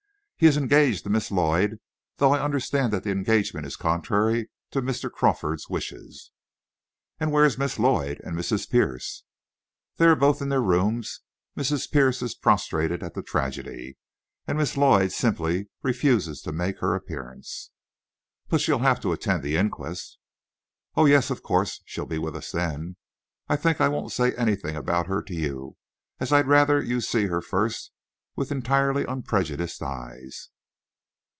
He is engaged to Miss Lloyd, though I understand that the engagement is contrary to Mr. Crawford's wishes." "And where is Miss Lloyd, and Mrs. Pierce?" "They are both in their rooms. Mrs. Pierce is prostrated at the tragedy, and Miss Lloyd simply refuses to make her appearance." "But she'll have to attend the inquest?" "Oh, yes, of course. She'll be with us then. I think I won't say anything about her to you, as I'd rather you'd see her first with entirely unprejudiced eyes."